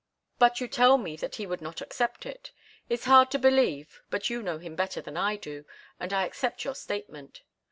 "But you tell me that he would not accept it. It's hard to believe, but you know him better than I do, and I accept your statement.